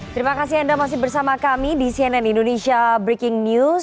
terima kasih anda masih bersama kami di cnn indonesia breaking news